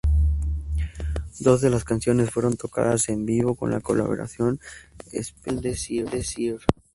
Dos de las canciones fueron tocadas en vivo con la colaboración especial de Sir.